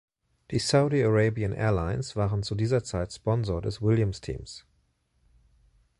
Die Saudi Arabian Airlines waren zu dieser Zeit Sponsor des Williams-Teams.